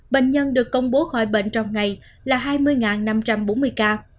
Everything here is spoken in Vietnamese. bệnh nhân được công bố khỏi bệnh trong ngày là hai mươi năm trăm bốn mươi ca